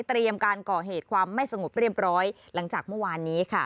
การก่อเหตุความไม่สงบเรียบร้อยหลังจากเมื่อวานนี้ค่ะ